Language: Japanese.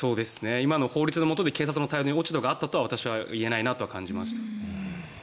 今の法律のもとで警察の対応に落ち度があったとは私は言えないなと感じます。